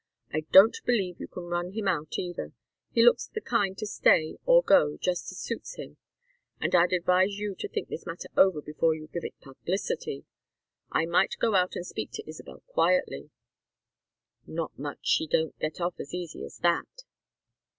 I don't believe you can run him out, either. He looks the kind to stay or go, just as suits him. And I'd advise you to think this matter over before you give it publicity. I might go out and speak to Isabel quietly " "Not much she don't get off as easy as that!"